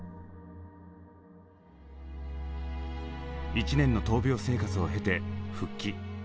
１年の闘病生活を経て復帰。